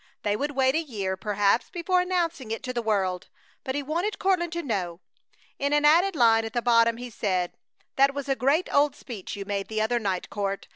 They would wait a year perhaps before announcing it to the world, but he wanted Courtland to know. In an added line at the bottom he said: "That was a great old speech you made the other night, Court.